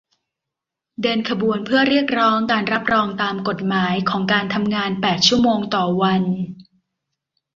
เดินขบวนเพื่อเรียกร้องการรับรองตามกฎหมายของการทำงานแปดชั่วโมงต่อวัน